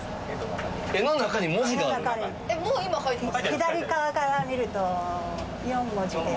左側から見ると４文字で。